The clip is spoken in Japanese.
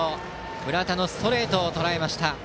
村田のストレートをとらえました。